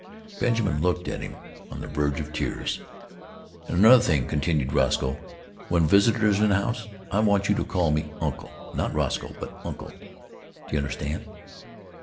Benjamin looked at him, on the verge of tears. "And another thing," continued Roscoe, "when visitors are in the house I want you to call me 'Uncle' not 'Roscoe,' but 'Uncle,' do you understand?